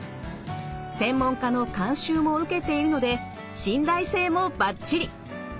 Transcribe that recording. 専門家の監修も受けているので信頼性もバッチリ！